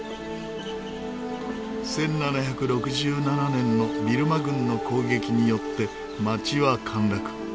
１７６７年のビルマ軍の攻撃によって町は陥落。